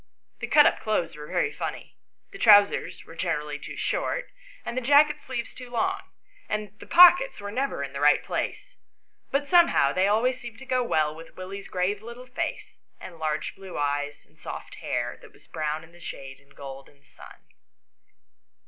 The cut up clothes were very funny ; the trousers were generally too short, and the jacket sleeves too long, and the pockets were never in the right place; but some how they always seemed to go well with Willie's grave little face, and large blue eyes, and soft hair, that was brown in the shade and gold in the sun.